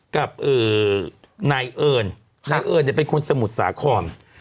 กับนายเอิญนายเอิญเนี่ยเป็นคนสมุดสาขอม